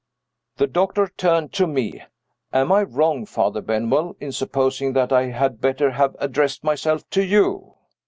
The doctor turned to me. "Am I wrong, Father Benwell, in supposing that I had better have addressed myself to _you?"